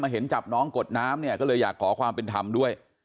เห็นจับน้องกดน้ำเนี่ยก็เลยอยากขอความเป็นธรรมด้วย